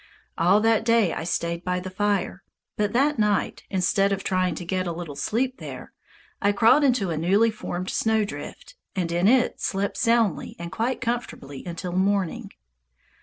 All that day I stayed by the fire, but that night, instead of trying to get a little sleep there, I crawled into a newly formed snowdrift, and in it slept soundly and quite comfortably until morning.